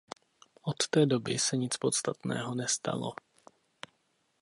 Od té doby se nic podstatného nestalo.